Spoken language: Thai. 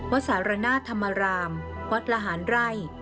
วัดศาลณาธรรมารามวัดละหารไร่